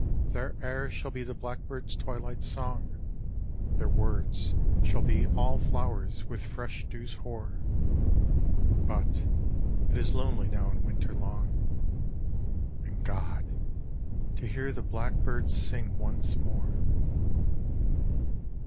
Their airs shall be the blackbird's twilight song, Their words ' shall be all flowers with fresh dews hoar. — But it is lonely now in winter long. And, God! to hear the blackbird sing once more.